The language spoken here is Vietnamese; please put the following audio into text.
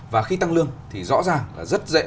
và khi tăng lương thì rõ ràng là rất dễ